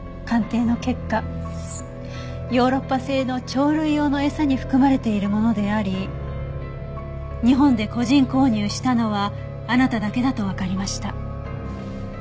鑑定の結果ヨーロッパ製の鳥類用の餌に含まれているものであり日本で個人購入したのはあなただけだとわかりました。